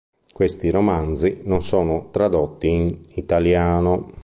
Questi romanzi non sono tradotti in italiano.